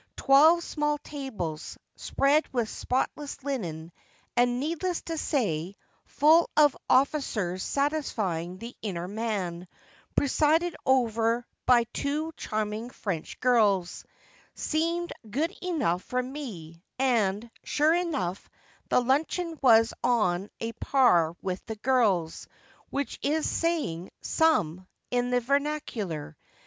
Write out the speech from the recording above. Twelve small tables, spread with spotless linen, and, needless to say, full of officers satisfying the inner man, presided 57 58 THE END OF " WIPERS " over by two charming French girls, seemed good enough for me, and, sure enough, the luncheon was on a par with the girls, which is saying " some " in the vernacular.